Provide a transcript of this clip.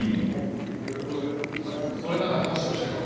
それなら話をしよう。